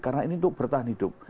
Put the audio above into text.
karena ini untuk bertahan hidup